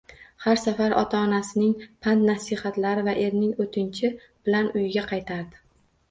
Har safar ota-onasining pand-nasihatlari va erining o`tinchi bilan uyiga qaytardi